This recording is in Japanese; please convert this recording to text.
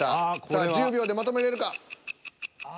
さあ１０秒でまとめれるか。